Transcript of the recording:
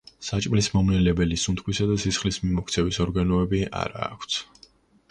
საჭმლის მომნელებელი, სუნთქვისა და სისხლის მიმოქცევის ორგანოები არა აქვთ.